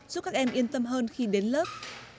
giúp các em yên tâm hơn khi đến lớp